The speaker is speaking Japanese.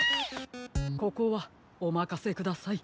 ここはおまかせください。